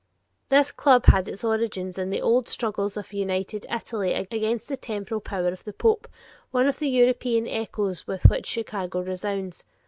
This club had its origin in the old struggles of united Italy against the temporal power of the Pope, one of the European echoes with which Chicago resounds.